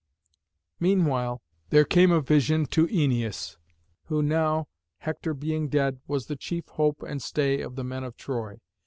Meanwhile there came a vision to Æneas, who now, Hector being dead, was the chief hope and stay of the men of Troy.